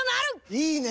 いいね！